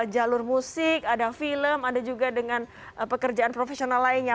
jalur musik ada film ada juga dengan pekerjaan profesional lainnya